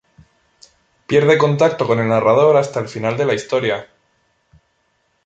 Pierde contacto con el narrador hasta el final de la historia.